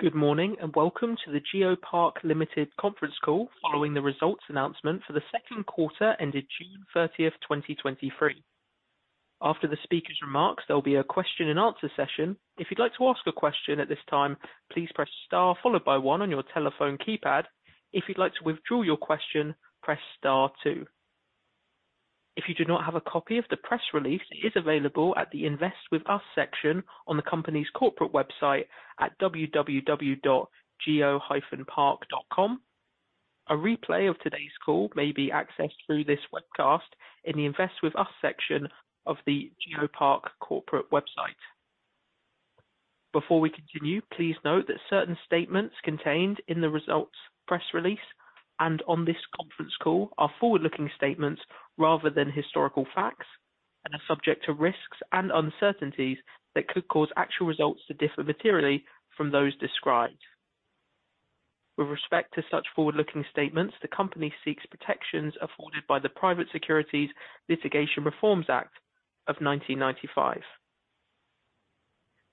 Good morning, and welcome to the GeoPark Limited conference call, following the results announcement for the second quarter ended June thirtieth, 2023. After the speaker's remarks, there'll be a question and answer session. If you'd like to ask a question at this time, please press star followed by one on your telephone keypad. If you'd like to withdraw your question, press star two. If you do not have a copy of the press release, it is available at the Invest With Us section on the company's corporate website at www.geo-park.com. A replay of today's call may be accessed through this webcast in the Invest With Us section of the GeoPark corporate website. Before we continue, please note that certain statements contained in the results press release and on this conference call are forward-looking statements rather than historical facts, and are subject to risks and uncertainties that could cause actual results to differ materially from those described. With respect to such forward-looking statements, the company seeks protections afforded by the Private Securities Litigation Reform Act of 1995.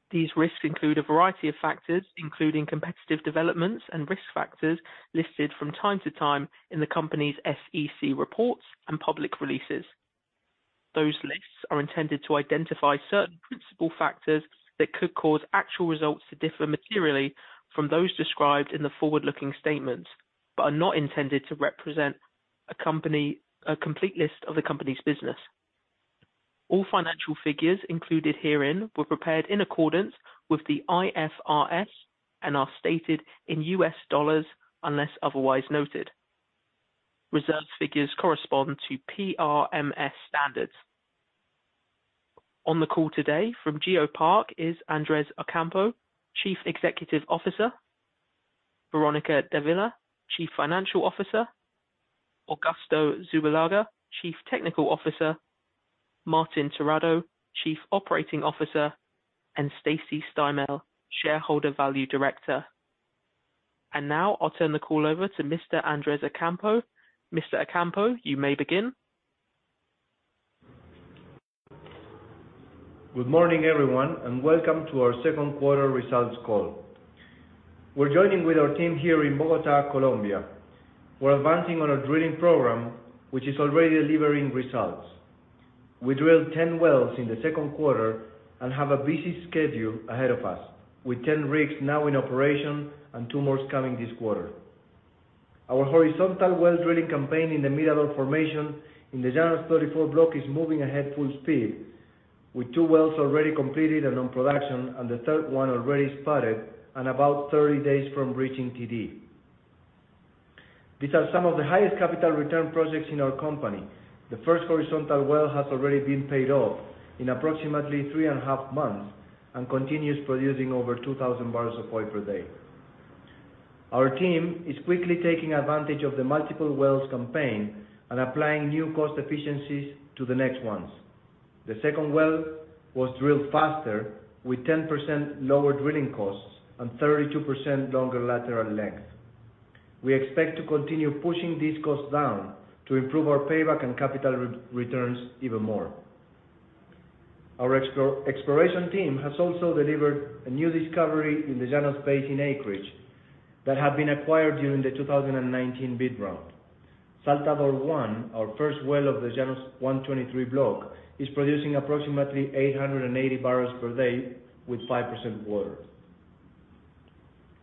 These risks include a variety of factors, including competitive developments and risk factors listed from time to time in the company's SEC reports and public releases. Those lists are intended to identify certain principal factors that could cause actual results to differ materially from those described in the forward-looking statements, but are not intended to represent a complete list of the company's business. All financial figures included herein were prepared in accordance with the IFRS and are stated in $, unless otherwise noted. Reserve figures correspond to PRMS standards. On the call today from GeoPark is Andrés Ocampo, Chief Executive Officer, Veronica Davila, Chief Financial Officer, Augusto Zubillaga, Chief Technical Officer, Martín Terrado, Chief Operating Officer, and Stacy Steimel, Shareholder Value Director. Now I'll turn the call over to Mr. Andrés Ocampo. Mr. Ocampo, you may begin. Good morning, everyone, and welcome to our second quarter results call. We're joining with our team here in Bogota, Colombia. We're advancing on a drilling program, which is already delivering results. We drilled 10 wells in the second quarter and have a busy schedule ahead of us, with 10 rigs now in operation and two more coming this quarter. Our horizontal well drilling campaign in the Mirador formation in the Llanos 34 block is moving ahead full speed, with two wells already completed and on production, and the third one already spudded and about 30 days from reaching TD. These are some of the highest capital return projects in our company. The first horizontal well has already been paid off in approximately three and a half months and continues producing over 2,000 barrels of oil per day. Our team is quickly taking advantage of the multiple wells campaign and applying new cost efficiencies to the next ones. The second well was drilled faster, with 10% lower drilling costs and 32% longer lateral length. We expect to continue pushing these costs down to improve our payback and capital re-returns even more. Our exploration team has also delivered a new discovery in the Llanos Basin acreage that had been acquired during the 2019 bid round. Saltador 1, our first well of the Llanos 123 Block, is producing approximately 880 barrels per day with 5% water.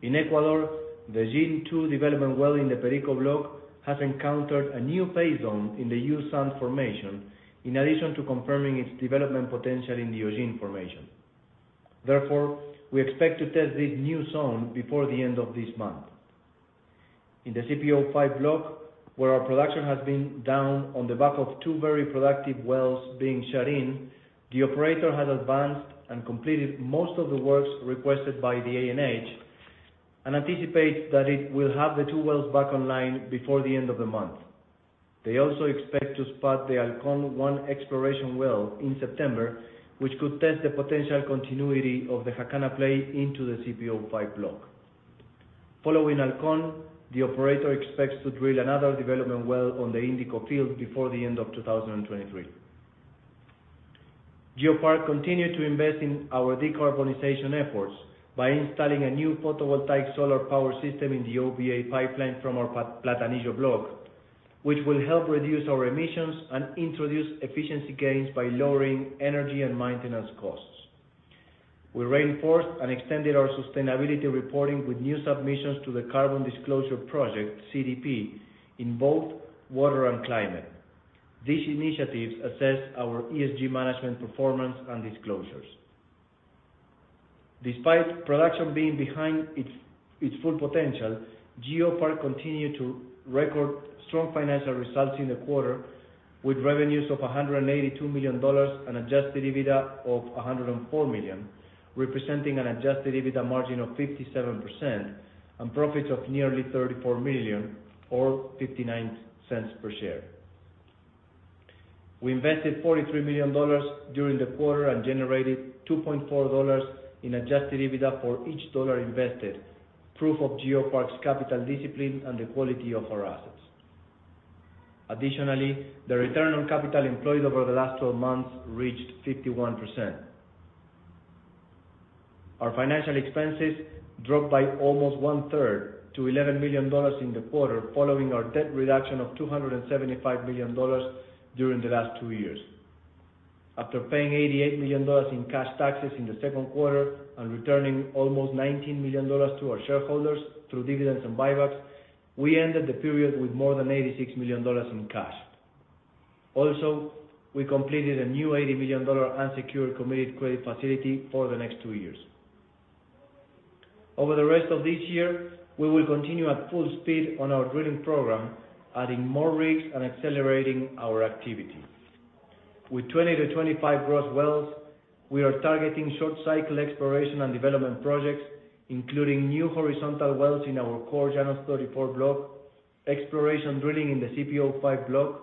In Ecuador, the Gene-two development well in the Perico block has encountered a new pay zone in the U-sand formation, in addition to confirming its development potential in the Ugin formation. Therefore, we expect to test this new zone before the end of this month. In the CPO-5 block, where our production has been down on the back of two very productive wells being shut in, the operator has advanced and completed most of the works requested by the ANH, and anticipates that it will have the 2 wells back online before the end of the month. They also expect to spot the Halcon-1 exploration well in September, which could test the potential continuity of the Jacana play into the CPO-5 block. Following Halcon, the operator expects to drill another development well on the Indico field before the end of 2023. GeoPark continued to invest in our decarbonization efforts by installing a new photovoltaic solar power system in the OBA pipeline from our Platanillo block, which will help reduce our emissions and introduce efficiency gains by lowering energy and maintenance costs. We reinforced and extended our sustainability reporting with new submissions to the Carbon Disclosure Project, CDP, in both water and climate. These initiatives assess our ESG management performance and disclosures. Despite production being behind its, its full potential, GeoPark continued to record strong financial results in the quarter, with revenues of $182 million and adjusted EBITDA of $104 million, representing an adjusted EBITDA margin of 57% and profits of nearly $34 million or $0.59 per share. We invested $43 million during the quarter and generated $2.4 in adjusted EBITDA for each dollar invested, proof of GeoPark's capital discipline and the quality of our assets. Additionally, the return on capital employed over the last 12 months reached 51%. Our financial expenses dropped by almost one third to $11 million in the quarter, following our debt reduction of $275 million during the last two years. After paying $88 million in cash taxes in the second quarter and returning almost $19 million to our shareholders through dividends and buybacks, we ended the period with more than $86 million in cash. We completed a new $80 million unsecured committed credit facility for the next two years. Over the rest of this year, we will continue at full speed on our drilling program, adding more rigs and accelerating our activity. With 20 to 25 gross wells, we are targeting short cycle exploration and development projects, including new horizontal wells in our core Llanos 34 block, exploration drilling in the CPO-5 block,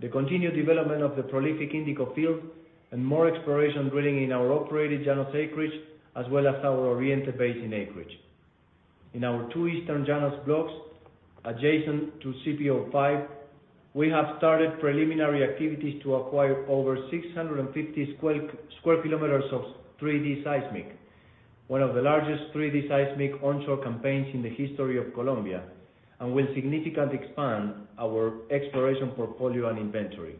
the continued development of the prolific Indico field, and more exploration drilling in our operated Llanos acreage, as well as our Oriente Basin acreage. In our two eastern Llanos blocks, adjacent to CPO-5, we have started preliminary activities to acquire over 650 square kilometers of 3D seismic, one of the largest 3D seismic onshore campaigns in the history of Colombia, and will significantly expand our exploration portfolio and inventory.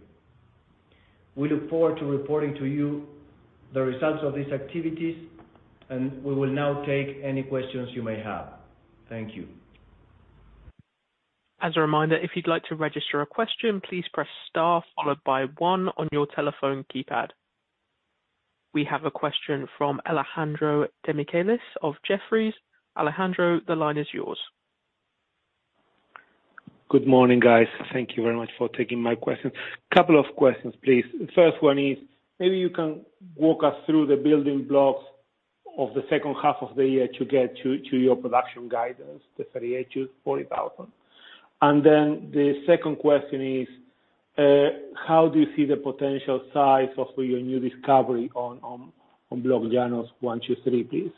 We look forward to reporting to you the results of these activities. We will now take any questions you may have. Thank you. As a reminder, if you'd like to register a question, please press star followed by one on your telephone keypad. We have a question from Alejandro Demichelis of Jefferies. Alejandro, the line is yours. Good morning, guys. Thank you very much for taking my questions. Couple of questions, please. First one is, maybe you can walk us through the building blocks of the second half of the year to get to, to your production guidance, the 38,000-40,000. The second question is, how do you see the potential size of your new discovery on, on, on block Llanos 123, please?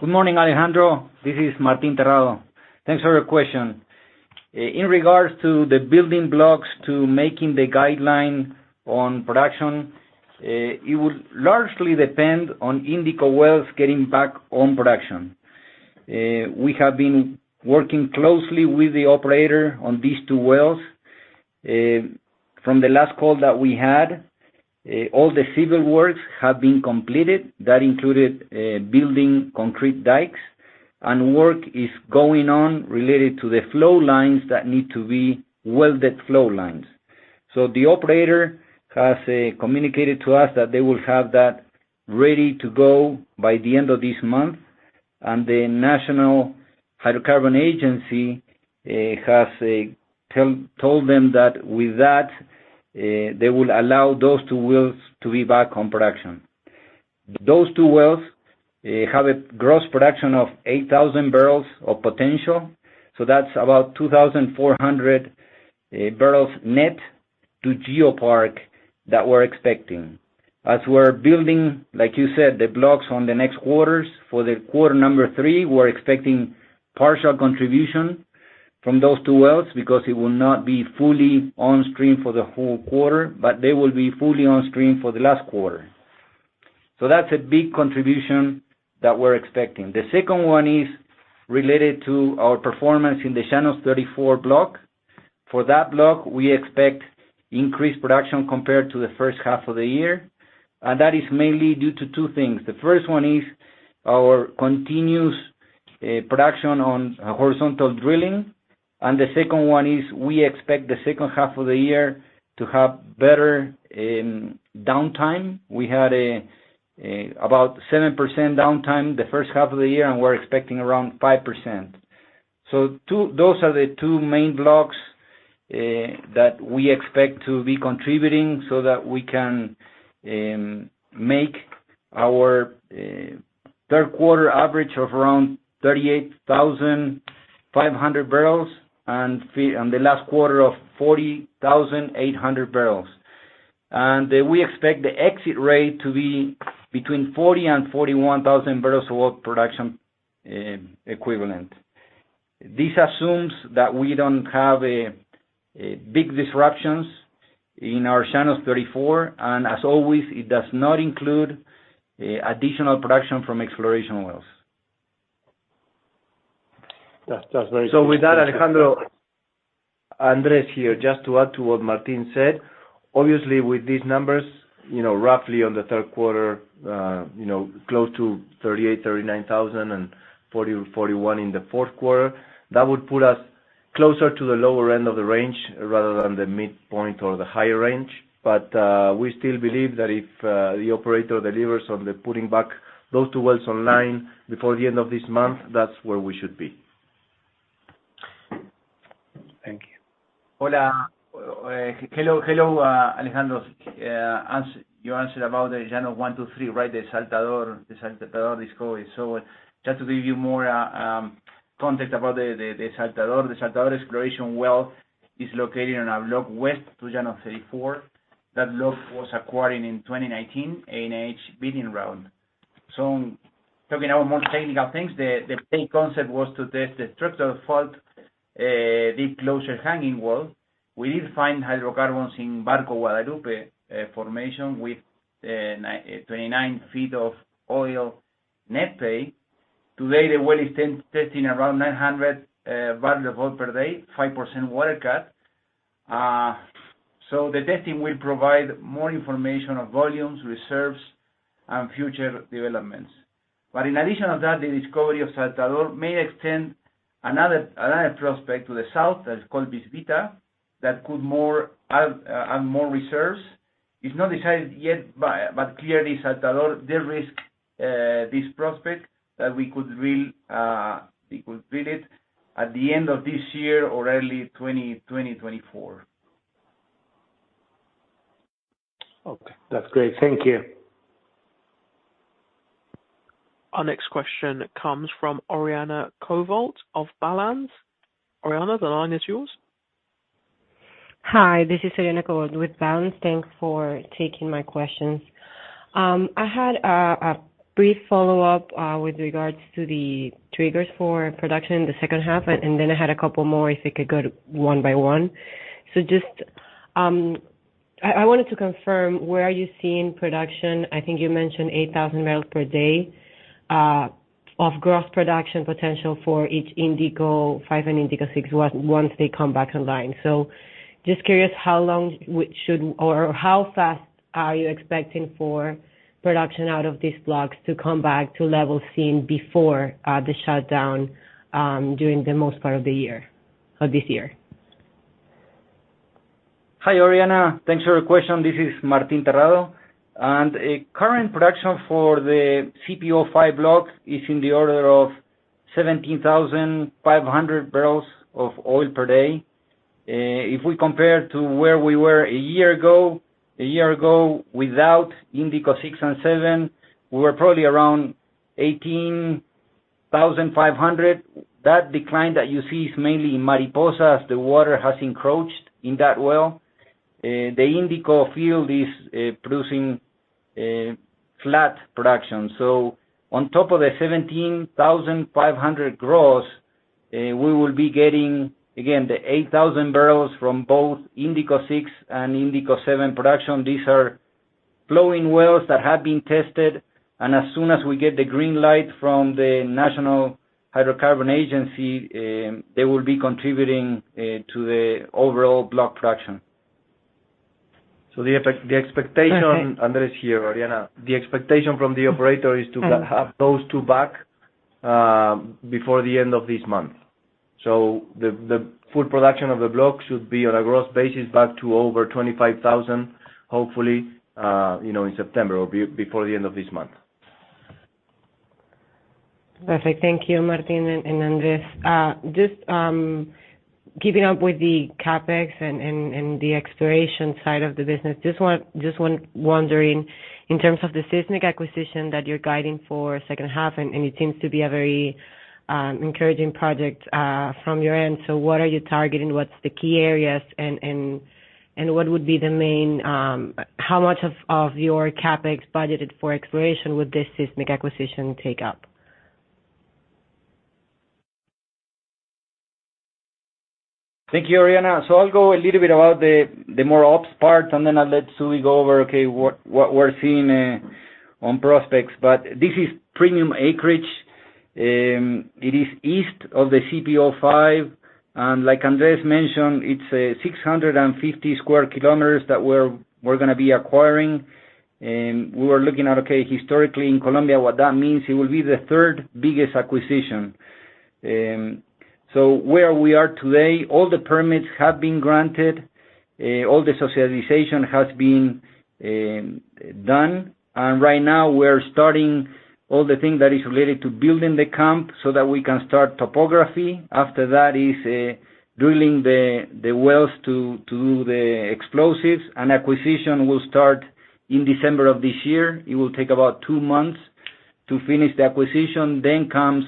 Good morning, Alejandro. This is Martín Terrado. Thanks for your question. In regards to the building blocks to making the guideline on production, it would largely depend on Indico Wells getting back on production. We have been working closely with the operator on these two wells. From the last call that we had, all the civil works have been completed. That included building concrete dikes, and work is going on related to the flow lines that need to be welded flow lines. The operator has communicated to us that they will have that ready to go by the end of this month, and the National Hydrocarbon Agency has told them that with that, they will allow those two wells to be back on production. Those two wells have a gross production of 8,000 barrels of potential, so that's about 2,400 barrels net to GeoPark that we're expecting. As we're building, like you said, the blocks on the next quarters, for the quarter number three, we're expecting partial contribution from those two wells because it will not be fully on stream for the whole quarter, but they will be fully on stream for the last quarter. That's a big contribution that we're expecting. The second one is related to our performance in the Llanos 34 block. For that block, we expect increased production compared to the first half of the year, and that is mainly due to two things. The first one is our continuous production on horizontal drilling, and the second one is we expect the second half of the year to have better downtime. We had about 7% downtime the first half of the year, and we're expecting around 5%. Those are the two main blocks that we expect to be contributing so that we can make our third quarter average of around 38,500 barrels, and the last quarter of 40,800 barrels. We expect the exit rate to be between 40,000 and 41,000 barrels of oil production equivalent. This assumes that we don't have a big disruptions in our Llanos 34, and as always, it does not include additional production from exploration wells. That's, that's very clear. With that, Alejandro, Andres here, just to add to what Martin said. Obviously, with these numbers, you know, roughly on the third quarter, you know, close to 38,000-39,000 and 40,000-41,000 in the fourth quarter, that would put us closer to the lower end of the range rather than the midpoint or the higher range. We still believe that if the operator delivers on the putting back those two wells online before the end of this month, that's where we should be. Thank you. Hola. hello, hello, Alejandro. You answered about the Llanos 123, right? The Saltador, the Saltador discovery. just to give you more.... context about the Saltador. The Saltador exploration well is located on our block west to Llanos 34. That block was acquired in 2019, ANH bidding round. Talking about more technical things, the main concept was to test the structural fault deep closure hanging well. We did find hydrocarbons in Barco Guadalupe formation with 29 feet of oil net pay. Today, the well is testing around 900 barrel of oil per day, 5% water cut. The testing will provide more information on volumes, reserves, and future developments. In addition to that, the discovery of Saltador may extend another prospect to the south that is called Bisbita, that could add more reserves. It's not decided yet, but clearly, Salvador, de-risk, this prospect that we could drill, we could drill it at the end of this year or early 2024. Okay, that's great. Thank you. Our next question comes from Oriana Covalt of Balanz. Oriana, the line is yours. Hi, this is Oriana Covalt with Balanz. Thanks for taking my questions. I had a brief follow-up with regards to the triggers for production in the second half, and then I had a couple more, if we could go one by one. Just, I wanted to confirm, where are you seeing production? I think you mentioned 8,000 barrels per day of gross production potential for each Indico 5 and Indico 6 once they come back online. Just curious, how long we should, or how fast are you expecting for production out of these blocks to come back to levels seen before the shutdown during the most part of the year, of this year? Hi, Oriana. Thanks for your question. This is Martín Terrado. Current production for the CPO-5 block is in the order of 17,500 barrels of oil per day. If we compare to where we were a year ago, a year ago, without Indico 6 and Indico 7, we were probably around 18,500. That decline that you see is mainly in Mariposa, as the water has encroached in that well. The Indico field is producing flat production. On top of the 17,500 gross, we will be getting, again, the 8,000 barrels from both Indico 6 and Indico 7 production. These are flowing wells that have been tested, and as soon as we get the green light from the National Hydrocarbon Agency, they will be contributing to the overall block production. The expectation- Okay. Andres here, Oriana. The expectation from the operator is to have those two back, before the end of this month. The, the full production of the block should be on a gross basis, back to over 25,000, hopefully, you know, in September or before the end of this month. Perfect. Thank you, Martin and Andres. Just keeping up with the CapEx and, and, and the exploration side of the business, just wondering, in terms of the seismic acquisition that you're guiding for second half, and, and it seems to be a very encouraging project from your end. What are you targeting? What's the key areas, and, and, and what would be the main? How much of, of your CapEx budgeted for exploration would this seismic acquisition take up? Thank you, Oriana. I'll go a little bit about the, the more ops part, and then I'll let Sui go over, okay, what, what we're seeing on prospects. This is premium acreage. It is east of the CPO-5, and like Andres mentioned, it's 650 square kilometers that we're, we're gonna be acquiring. We were looking at, okay, historically in Colombia, what that means, it will be the third biggest acquisition. Where we are today, all the permits have been granted, all the socialization has been done. Right now we're starting all the things that is related to building the camp so that we can start topography. After that is drilling the, the wells to, to the explosives. Acquisition will start in December of this year. It will take about two months to finish the acquisition. Comes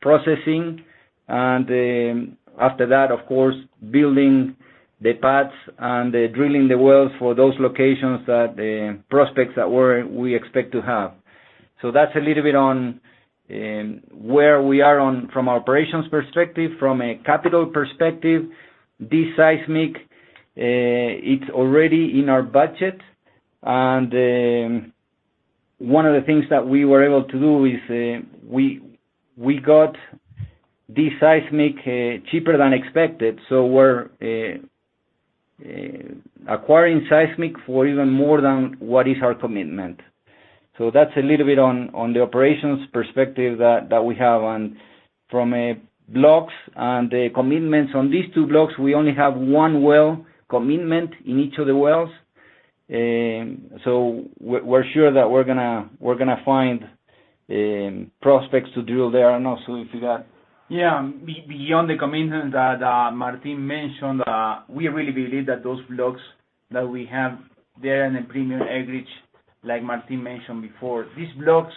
processing, and after that, of course, building the pads and drilling the wells for those locations that, the prospects that we're, we expect to have. That's a little bit on where we are on from operations perspective. From a capital perspective, this seismic is already in our budget. One of the things that we were able to do is, we got the seismic cheaper than expected, so we're acquiring seismic for even more than what is our commitment. That's a little bit on the operations perspective that we have. From a blocks and the commitments on these two blocks, we only have one well commitment in each of the wells. We're, we're sure that we're gonna, we're gonna find prospects to drill there. I don't know, Sui, if you got... Yeah. Beyond the commitment that Martin mentioned, we really believe that those blocks that we have there in the premium acreage. Like Martin mentioned before, these blocks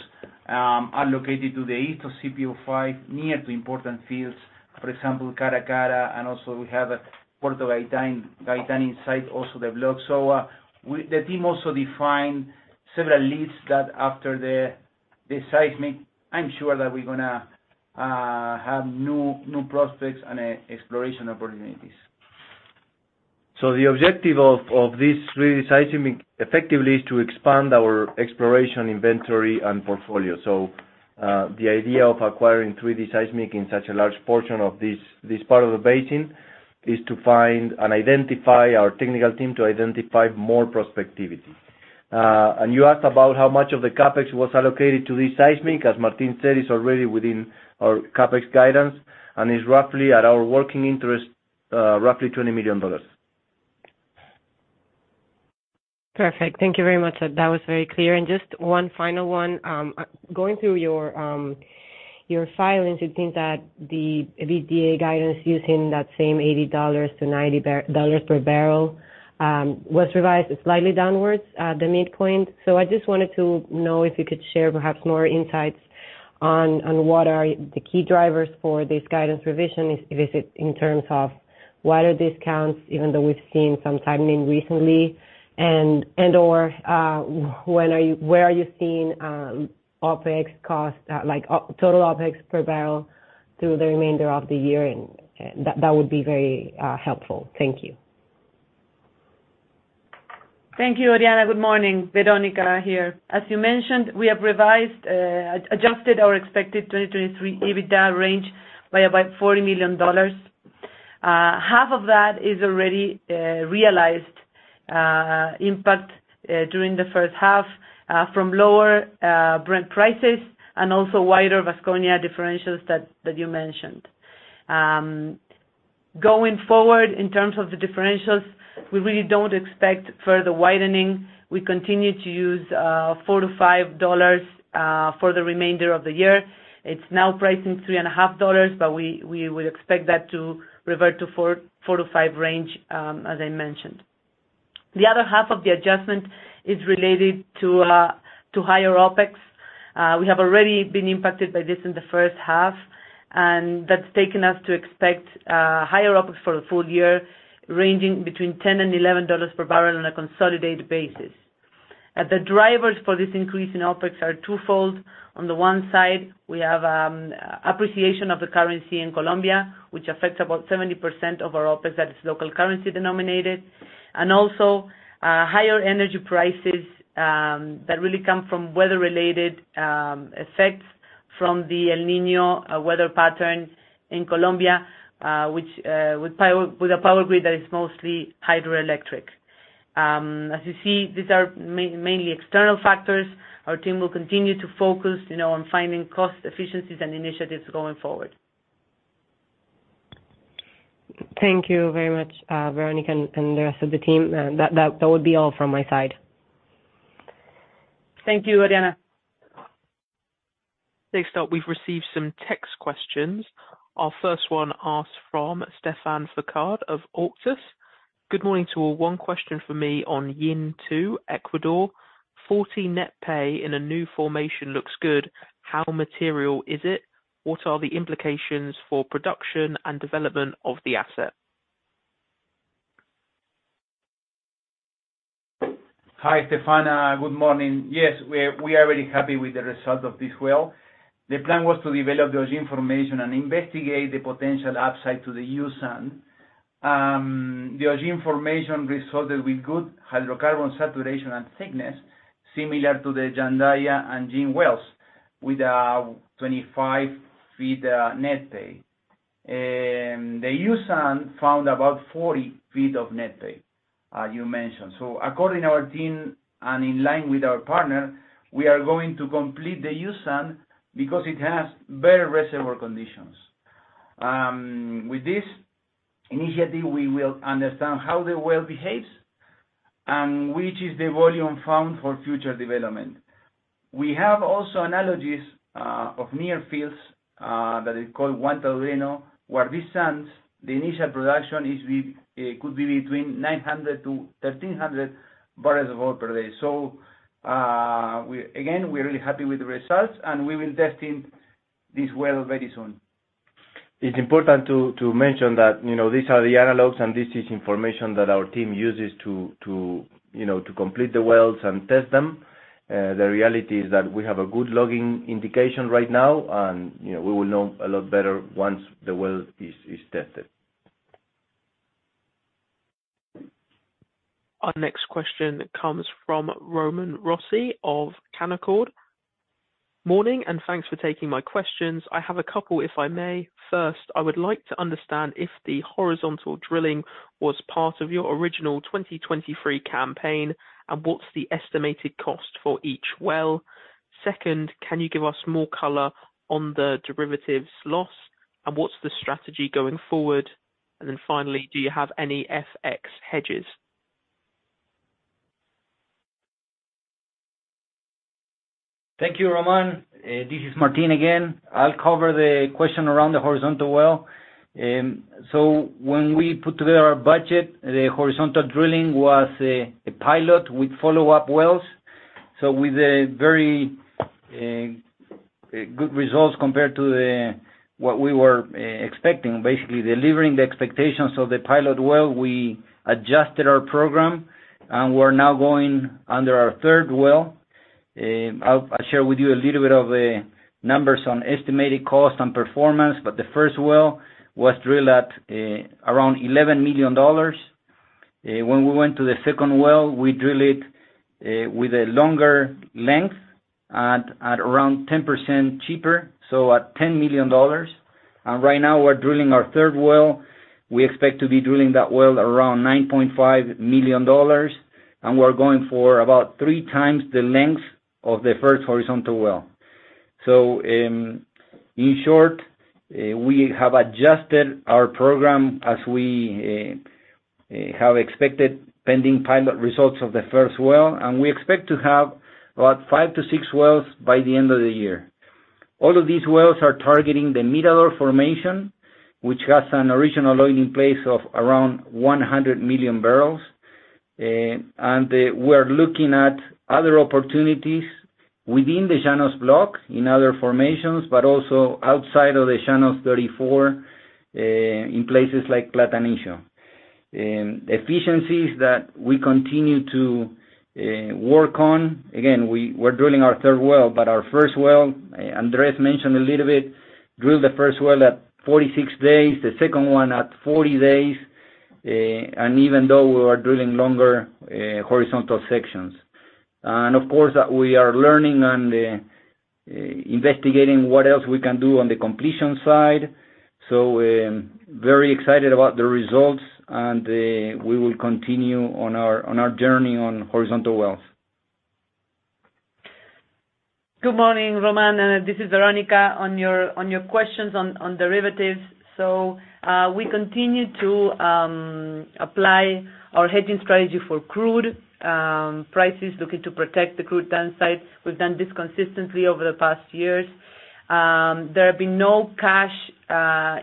are located to the east of CPO-5, near to important fields. For example, Caracara, and also we have a Puerto Gaitán, Gaitán inside, also the block. We the team also defined several leads that after the seismic, I'm sure that we're gonna have new, new prospects and exploration opportunities. The objective of, of this 3D seismic, effectively, is to expand our exploration inventory and portfolio. The idea of acquiring 3D seismic in such a large portion of this, this part of the basin, is to find and identify our technical team, to identify more prospectivity. You asked about how much of the CapEx was allocated to this seismic. As Martin said, it's already within our CapEx guidance and is roughly at our working interest, roughly $20 million. Perfect. Thank you very much. That was very clear. Just one final one. Going through your filings, it seems that the EBITDA guidance using that same $80-$90 per barrel was revised slightly downwards at the midpoint. I just wanted to know if you could share perhaps more insights on what are the key drivers for this guidance revision: is it in terms of wider discounts, even though we've seen some tightening recently, and/or where are you seeing total OpEx per barrel through the remainder of the year? That would be very helpful. Thank you. Thank you, Oriana. Good morning. Veronica here. As you mentioned, we have revised, adjusted our expected 2023 EBITDA range by about $40 million. Half of that is already realized impact during the first half from lower Brent prices and also wider Vasconia differentials that, that you mentioned. Going forward, in terms of the differentials, we really don't expect further widening. We continue to use $4-$5 for the remainder of the year. It's now pricing $3.50, but we, we would expect that to revert to $4-$5 range, as I mentioned. The other half of the adjustment is related to higher OpEx. We have already been impacted by this in the first half, that's taken us to expect higher OpEx for the full year, ranging between $10-$11 per barrel on a consolidated basis. The drivers for this increase in OpEx are twofold. On the one side, we have appreciation of the currency in Colombia, which affects about 70% of our OpEx that is local currency denominated, also, higher energy prices that really come from weather-related effects from the El Niño weather pattern in Colombia, which, with a power grid that is mostly hydroelectric. As you see, these are mainly external factors. Our team will continue to focus, you know, on finding cost efficiencies and initiatives going forward. Thank you very much, Veronica and the rest of the team. That would be all from my side. Thank you, Adriana. Next up, we've received some text questions. Our first one asked from Stephane Foucaud of Auctus Advisors: Good morning to all. One question for me on Tui 1, Ecuador. 40 net pay in a new formation looks good. How material is it? What are the implications for production and development of the asset? Hi, Stephane. Good morning. Yes, we are, we are very happy with the result of this well. The plan was to develop the Ugin formation and investigate the potential upside to the U-sand. The Ugin formation resulted with good hydrocarbon saturation and thickness, similar to the Jandaya and Tui wells, with a 25 feet net pay. The Ubaque found about 40 feet of net pay, you mentioned. According to our team and in line with our partner, we are going to complete the Ubaque because it has better reservoir conditions. With this initiative, we will understand how the well behaves and which is the volume found for future development. We have also analogies, of near fields, that is called Guantal Reno, where this sands, the initial production could be between 900 to 1,300 barrels of oil per day. Again, we're really happy with the results, and we will test in this well very soon. It's important to mention that, you know, these are the analogs, and this is information that our team uses to, you know, to complete the wells and test them. The reality is that we have a good logging indication right now, and, you know, we will know a lot better once the well is tested. Our next question comes from Roman Rossi of Canaccord. Morning, and thanks for taking my questions. I have a couple, if I may. First, I would like to understand if the horizontal drilling was part of your original 2023 campaign, and what's the estimated cost for each well? Second, can you give us more color on the derivatives loss, and what's the strategy going forward? Then finally, do you have any FX hedges? Thank you, Roman. This is Martin again. I'll cover the question around the horizontal well. When we put together our budget, the horizontal drilling was a, a pilot with follow-up wells. With a very good results compared to the, what we were expecting, basically delivering the expectations of the pilot well, we adjusted our program, and we're now going under our third well. I'll, I'll share with you a little bit of the numbers on estimated cost and performance, but the first well was drilled at around $11 million. When we went to the second well, we drill it with a longer length at around 10% cheaper, so at $10 million. Right now we're drilling our third well. We expect to be drilling that well around $9.5 million, and we're going for about three times the length of the first horizontal well. In short, we have adjusted our program as we have expected, pending pilot results of the first well, and we expect to have about five-six wells by the end of the year. All of these wells are targeting the middle formation, which has an original oil in place of around 100 million barrels. We're looking at other opportunities within the Llanos Block in other formations, but also outside of the Llanos 34, in places like Platanillo. Efficiencies that we continue to work on, again, we're drilling our third well, but our first well, Andrés mentioned a little bit, drilled the first well at 46 days, the second one at 40 days, and even though we are drilling longer, horizontal sections. Of course, we are learning on the investigating what else we can do on the completion side. Very excited about the results, and we will continue on our, on our journey on horizontal wells. Good morning, Roman. This is Veronica. On your questions on derivatives. We continue to apply our hedging strategy for crude prices, looking to protect the crude downsides. We've done this consistently over the past years. There have been no cash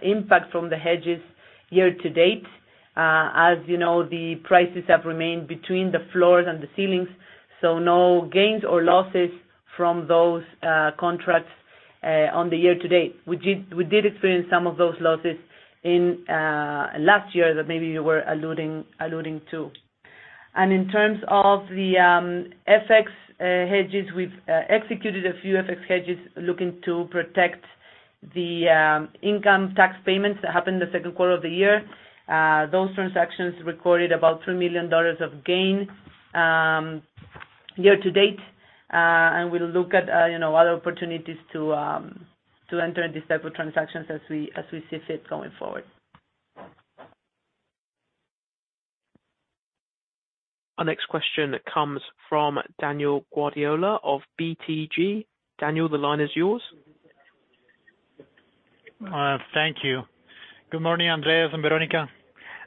impact from the hedges year to date. As you know, the prices have remained between the floors and the ceilings, so no gains or losses from those contracts on the year to date. We did experience some of those losses in last year that maybe you were alluding to. In terms of the FX hedges, we've executed a few FX hedges looking to protect the income tax payments that happened in the second quarter of the year. Those transactions recorded about $3 million of gain, year to date. We'll look at, you know, other opportunities to, to enter these type of transactions as we, as we see fit going forward. Our next question comes from Daniel Guardiola of BTG. Daniel, the line is yours. Thank you. Good morning, Andrés and Veronica.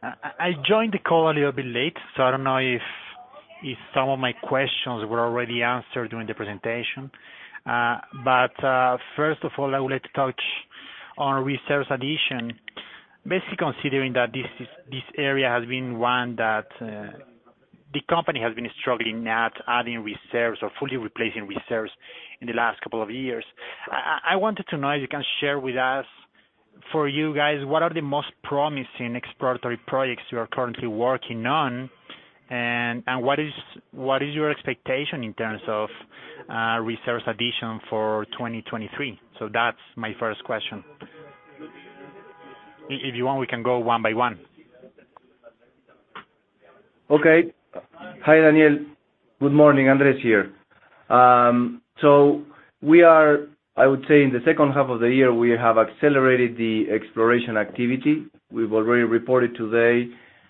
I joined the call a little bit late, so I don't know if some of my questions were already answered during the presentation. First of all, I would like to touch on reserves addition. Basically, considering that this area has been one that the company has been struggling at adding reserves or fully replacing reserves in the last couple of years. I wanted to know if you can share with us, for you guys, what are the most promising exploratory projects you are currently working on? And what is your expectation in terms of reserves addition for 2023? That's my first question. If you want, we can go one by one. Okay. Hi, Daniel. Good morning, Andrés here. In the second half of the year, we have accelerated the exploration activity. We've already reported today,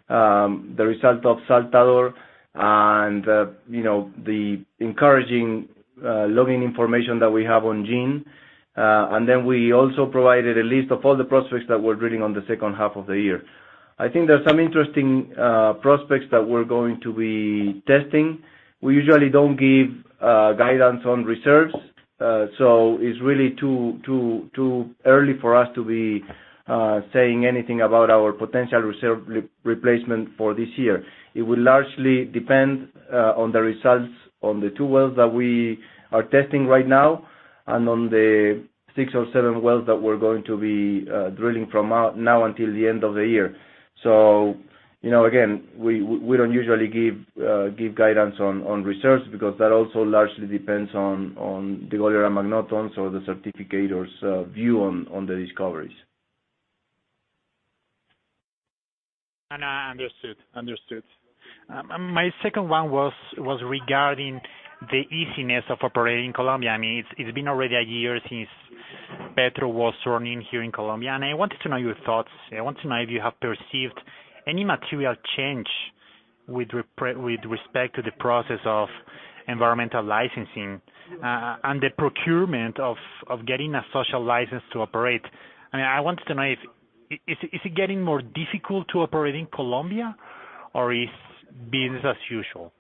the result of Saltador and, you know, the encouraging logging information that we have on Tui. We also provided a list of all the prospects that we're drilling on the second half of the year. I think there are some interesting prospects that we're going to be testing. We usually don't give guidance on reserves, it's really too, too, too early for us to be saying anything about our potential reserve re-replacement for this year. It will largely depend on the results on the 2 wells that we are testing right now, and on the 6 or 7 wells that we're going to be drilling now until the end of the year. You know, again, we, we don't usually give guidance on reserves because that also largely depends on the oil or magnetons or the certificators view on the discoveries. I understood. Understood. My second one was regarding the easiness of operating in Colombia. I mean, it's been already a year since Petro was running here in Colombia, and I wanted to know your thoughts. I want to know if you have perceived any material change with respect to the process of environmental licensing, and the procurement of getting a social license to operate. I mean, I wanted to know if it is getting more difficult to operate in Colombia? Or is business as usual?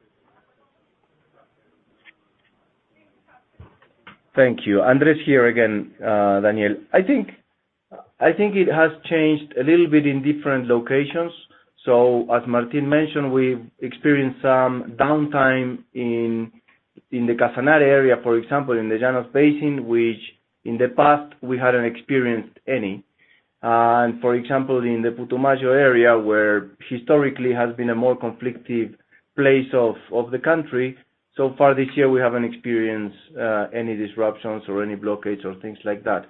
Thank you. Andres here again, Daniel. I think, I think it has changed a little bit in different locations. As Martin mentioned, we've experienced some downtime in, in the Casanare area, for example, in the Llanos Basin, which in the past we hadn't experienced any. For example, in the Putumayo area, where historically has been a more conflictive place of, of the country, so far this year, we haven't experienced any disruptions or any blockades or things like that.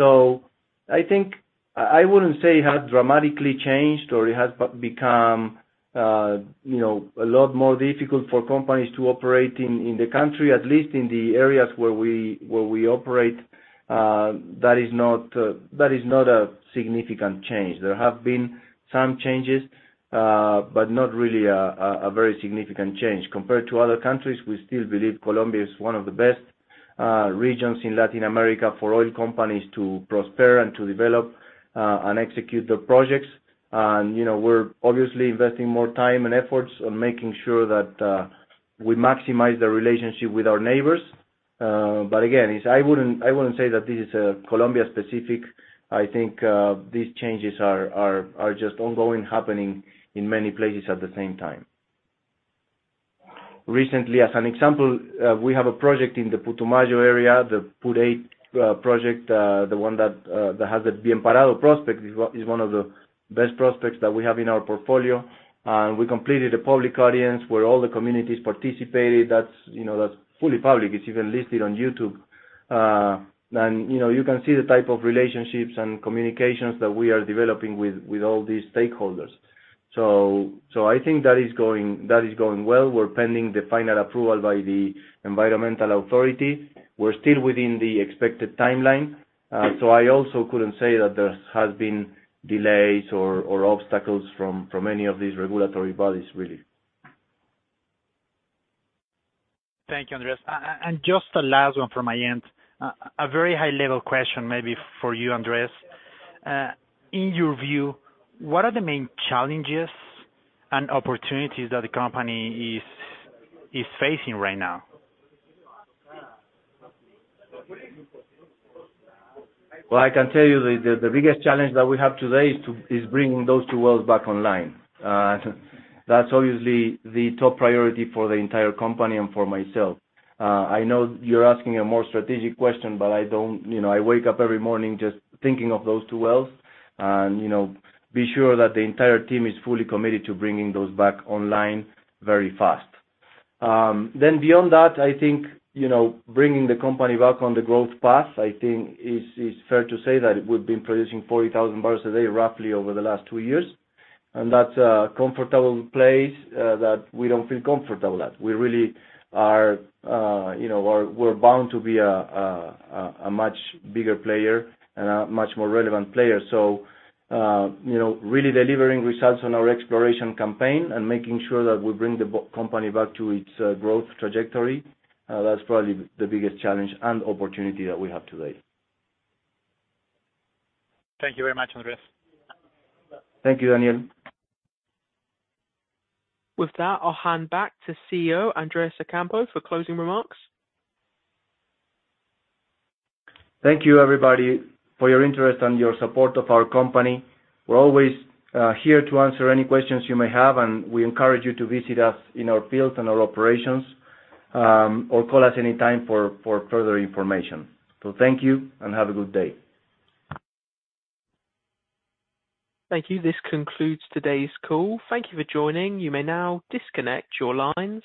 I think, I, I wouldn't say it has dramatically changed, or it has become, you know, a lot more difficult for companies to operate in, in the country, at least in the areas where we, where we operate, that is not, that is not a significant change. There have been some changes, not really a very significant change. Compared to other countries, we still believe Colombia is one of the best regions in Latin America for oil companies to prosper and to develop and execute their projects. You know, we're obviously investing more time and efforts on making sure that we maximize the relationship with our neighbors. Again, I wouldn't, I wouldn't say that this is Colombia-specific. I think these changes are just ongoing, happening in many places at the same time. Recently, as an example, we have a project in the Putumayo area, the PUT-8 project, the one that has the Bienparado prospect, is one of the best prospects that we have in our portfolio. We completed a public audience where all the communities participated. That's, you know, that's fully public. It's even listed on YouTube. You know, you can see the type of relationships and communications that we are developing with, with all these stakeholders. so I think that is going, that is going well. We're pending the final approval by the environmental authority. We're still within the expected timeline, so I also couldn't say that there has been delays or, or obstacles from, from any of these regulatory bodies, really. Thank you, Andrés. just the last one from my end, a very high-level question maybe for you, Andrés. In your view, what are the main challenges and opportunities that the company is facing right now? Well, I can tell you the, the, the biggest challenge that we have today is bringing those two wells back online. That's obviously the top priority for the entire company and for myself. I know you're asking a more strategic question, but I don't. You know, I wake up every morning just thinking of those two wells and, you know, be sure that the entire team is fully committed to bringing those back online very fast. Then beyond that, I think, you know, bringing the company back on the growth path, I think is, is fair to say that it would have been producing 40,000 barrels a day, roughly over the last two years. That's a comfortable place that we don't feel comfortable at. We really are, you know, we're, we're bound to be a, a, a, much bigger player and a much more relevant player. You know, really delivering results on our exploration campaign and making sure that we bring the company back to its growth trajectory, that's probably the biggest challenge and opportunity that we have today. Thank you very much, Andrés. Thank you, Daniel. With that, I'll hand back to CEO, Andrés Ocampo, for closing remarks. Thank you, everybody, for your interest and your support of our company. We're always here to answer any questions you may have, and we encourage you to visit us in our fields and our operations, or call us anytime for, for further information. Thank you, and have a good day. Thank you. This concludes today's call. Thank you for joining. You may now disconnect your lines.